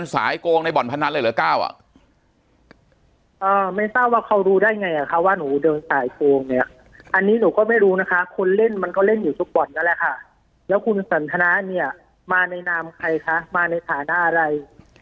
ปากกับภาคภูมิ